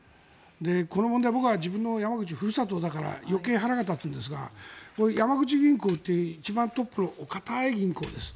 この問題、僕は自分のふるさと山口だから余計腹が立つんですが山口銀行って一番トップのお堅い銀行です。